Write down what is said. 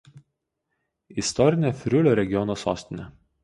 Istorinė Friulio regiono sostinė.